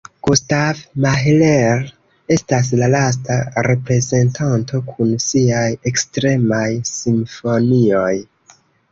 Gustav Mahler estas la lasta reprezentanto kun siaj ekstremaj simfonioj.